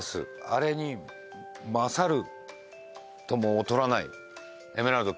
あれに勝るとも劣らないエメラルド